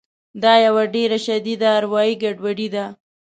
دا یوه ډېره شدیده اروایي ګډوډي ده